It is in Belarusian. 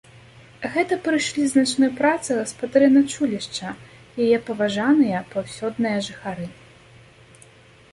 Гэта прыйшлі з начной працы гаспадары начулішча, яе паважаныя паўсёдныя жыхары.